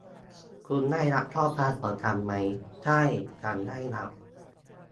คุณได้รับข้อความของฉันไหม ? ใช่ ฉันได้รับ